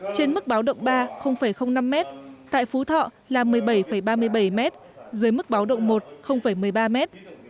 trên mức báo động ba năm mét tại phú thọ là một mươi bảy ba mươi bảy mét dưới mức báo động một một mươi ba mét